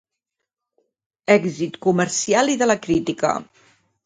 Èxit comercial i de la crítica.